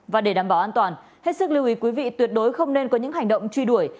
và để đảm bảo an toàn hết sức lưu ý quý vị tuyệt đối không nên có những hành động truy đuổi